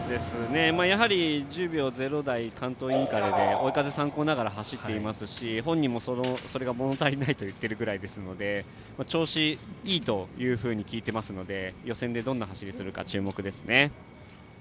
１０秒０台を関東インカレで追い風参考ながら走っていますし本人もそれが物足りないと言っているぐらいなので調子がいいと聞いていますので予選でどんな走りをするか注目ですよね。